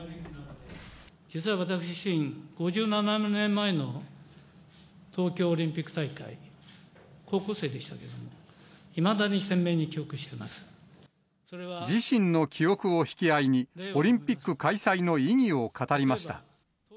実は私自身、５７年前の東京オリンピック大会、高校生でしたけれども、いまだに鮮明に記憶し自身の記憶を引き合いに、オリンピック開催の意義を語りました。